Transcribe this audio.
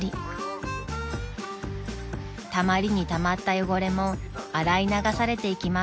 ［たまりにたまった汚れも洗い流されていきます］